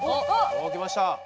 おきました！